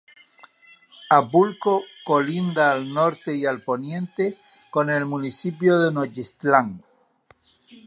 Apulco colinda al norte y al poniente con el municipio de Nochistlán.